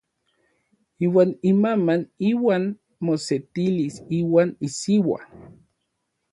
Iuan imaman iuan mosetilis iuan isiua.